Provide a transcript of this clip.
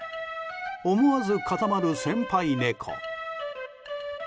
思わず固まる先輩猫。